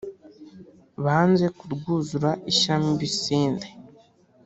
banze kurwuzura ishyiramo ibisinde